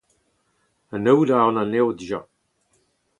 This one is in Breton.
Anaout a ran anezho dija.